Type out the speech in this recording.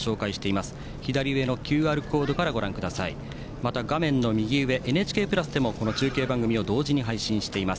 また画面の右上「ＮＨＫプラス」でもこの中継番組を同時に配信しています。